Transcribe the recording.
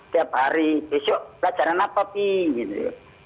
tiap hari besok pelajaran apa gitu ya